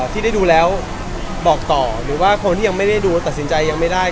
ที่ได้ดูแล้วบอกต่อหรือว่าคนที่ยังไม่ได้ดูตัดสินใจยังไม่ได้